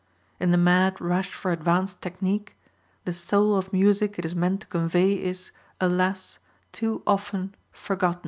In the mad rush for advanced technique, the soul of music it is meant to convey is, alas, too often forgotten.